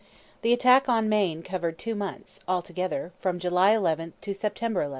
The attack on Maine covered two months, altogether, from July 11 to September 11.